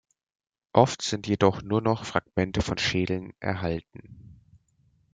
Oft sind jedoch nur noch Fragmente von Schädeln erhalten.